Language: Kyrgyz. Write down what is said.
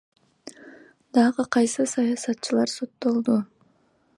Дагы кайсы саясатчылар соттолду?